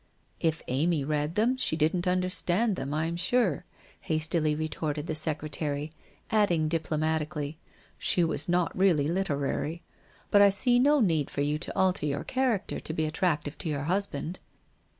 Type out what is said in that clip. ' If Amy read them, she didn't understand them, I am sure,' hastily retorted the secretary, adding diplomatically :' She was not really literary. But I see no need for you to alter your character to be attractive to your husband.